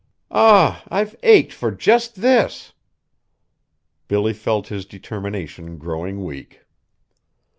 Ah, I've ached for just this!" Billy felt his determination growing weak.